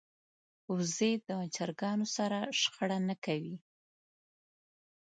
وزې د چرګانو سره شخړه نه کوي